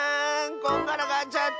こんがらがっちゃった。